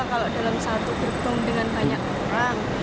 kalau dalam satu gerbong dengan banyak orang